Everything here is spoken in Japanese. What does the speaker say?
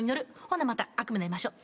ほなまた悪夢で会いましょう。